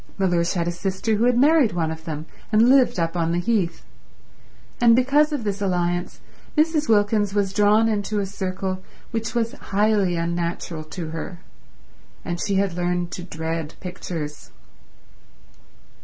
Mellersh had a sister who had married one of them and lived up on the Heath, and because of this alliance Mrs. Wilkins was drawn into a circle which was highly unnatural to her, and she had learned to dread pictures.